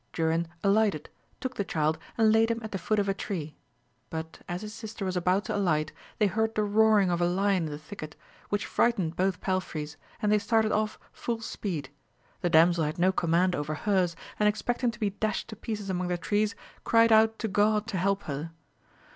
Durin alighted, took the child and laid him at the foot of a tree ; but, as his sister was about to alight, they heard the roaring of a lion in the thicket, which frightened both palfreys, and they started ojQT full speed. The damsel had no command over her*s and expecting to be dashed to pieces among the trees, cried out to God to help her.